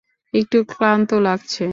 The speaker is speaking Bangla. একটু ক্লান্ত লাগছে।